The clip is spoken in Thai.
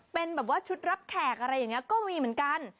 เป็นแบบว่าชุดรับแขกอะไรอย่างนี้ก็มีเหมือนกัน